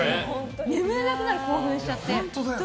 眠れなくなる、興奮しちゃって。